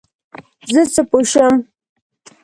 زه څه پوه شم ؟